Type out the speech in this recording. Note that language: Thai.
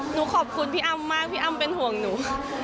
ขอบคุณพี่อ้ำมากพี่อ้ำเป็นห่วงหนู